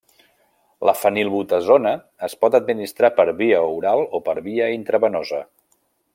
La fenilbutazona es pot administrar per via oral o per via intravenosa.